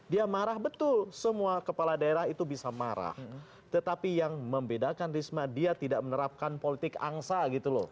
dia marah betul semua kepala daerah itu bisa marah tetapi yang membedakan risma dia tidak menerapkan politik angsa gitu loh